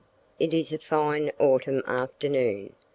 It is a fine autumn afternoon.